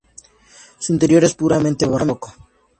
Su interior es puramente barroco.